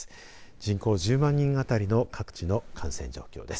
人口１０万人あたりの各地の感染状況です。